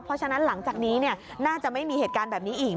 เพราะฉะนั้นหลังจากนี้น่าจะไม่มีเหตุการณ์แบบนี้อีก